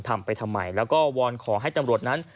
ทำไปทำไมแล้วก็วอนขอให้ตำรวจนั้น